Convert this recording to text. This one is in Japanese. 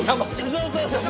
そうそうそう！